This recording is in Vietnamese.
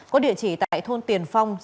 có địa chỉ tại thôn tiền phong